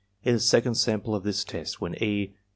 In the second sample of this test, when E.